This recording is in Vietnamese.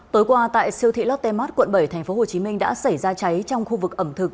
tối qua tại siêu thị lotte mart quận bảy tp hcm đã xảy ra cháy trong khu vực ẩm thực